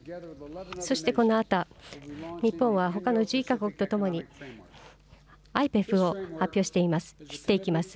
そしてこのあと、日本はほかの国とともにＩＰＥＦを発表していきます。